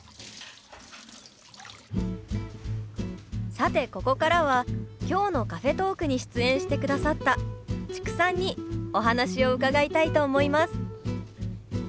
さてここからは今日のカフェトークに出演してくださった知久さんにお話を伺いたいと思います。